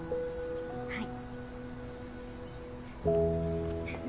はい。